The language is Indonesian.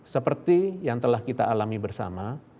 seperti yang telah kita alami bersama